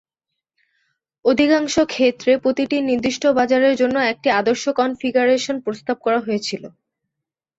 অধিকাংশ ক্ষেত্রে, প্রতিটি নির্দিষ্ট বাজারের জন্য একটি আদর্শ কনফিগারেশন প্রস্তাব করা হয়েছিল।